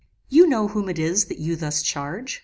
You know whom it is that you thus charge.